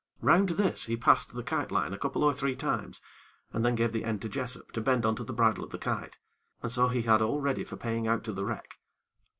Round this he passed the kite line a couple or three times, and then gave the end to Jessop to bend on to the bridle of the kite, and so he had all ready for paying out to the wreck.